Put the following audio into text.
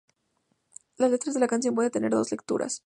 La letra de la canción puede tener dos lecturas.